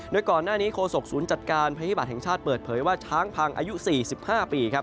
โดยก่อนหน้านี้โฆษกศูนย์จัดการพยาบาทแห่งชาติเปิดเผยว่าช้างพังอายุ๔๕ปีครับ